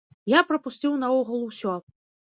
Я прапусціў наогул усё!